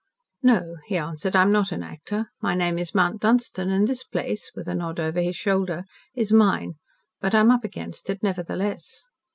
"No," he answered. "I'm not an actor. My name is Mount Dunstan, and this place," with a nod over his shoulder, "is mine but I'm up against it, nevertheless."